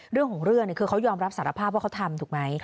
เรื่องของเรื่องงี่ค่อย่ามรับสารภาพว่าทำถูกมั้ย